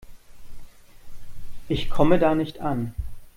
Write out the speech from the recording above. Ich komme da nicht an.